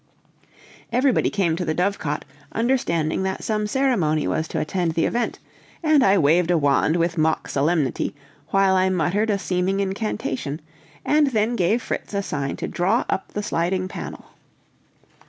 Everybody came to the dovecot, understanding that some ceremony was to attend the event, and I waved a wand with mock solemnity, while I muttered a seeming incantation, and then gave Fritz a sign to draw up the sliding panel.